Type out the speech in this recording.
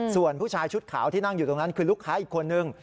ส่วนผู้ชายชุดขาวที่นั่งอยู่ตรงนั้นคือลูกค้าอีกคนนึง